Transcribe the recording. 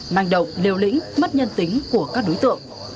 manh động liều lĩnh mất nhân tính của các đối tượng